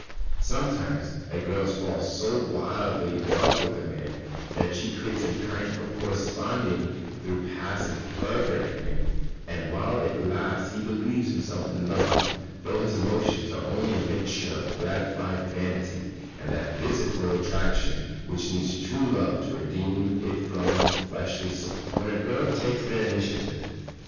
Sometimes a girl falls so wildly in love with a man that she creates a kind of corresponding, though passing, fervour in him, and while it lasts he believes himself in love, though his emotions are only a mixture of gratified vanity and that physical attraction which needs true love to redeem it from the fleshly sort. [Sidenote: When a girl takes the initiative.